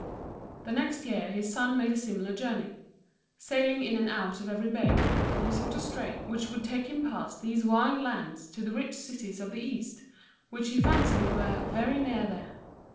The next year his son made a similar journey. Sailing in and out of every bay, he sought a strait which would take him past these wild lands to the rich cities of the East, which he fancied were very near there.